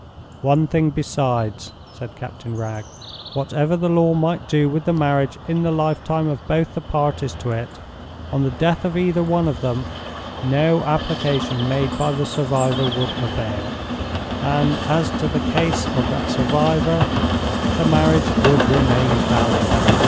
"One thing besides," said Captain Wragge. "Whatever the law might do with the marriage in the lifetime of both the parties to it—on the death of either one of them, no application made by the survivor would avail; and, as to the case of that survivor, the marriage would remain valid.